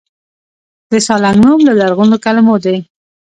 د سالنګ نوم له لرغونو کلمو دی